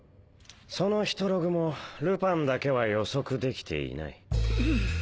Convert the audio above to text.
そのヒトログもルパンだけは予測できていない。